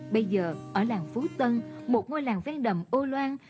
bây giờ ở làng phú tân một ngôi làng ven đầm âu loan